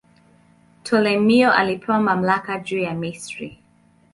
Ptolemaio alipewa mamlaka juu ya Misri.